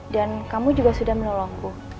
kamu juga sudah menolongku